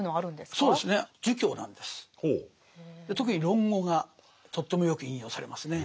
特に「論語」がとってもよく引用されますね